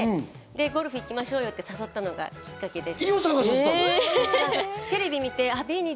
ゴルフ行きましょうよって誘ったのがきっかけです。